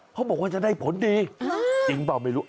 เขาบอกว่าจะได้ผลดีจริงเปล่าไม่รู้